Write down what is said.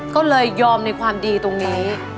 ก็เลยยอมในความดีตรงนี้